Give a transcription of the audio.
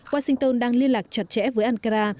washington đang liên lạc chặt chẽ với ankara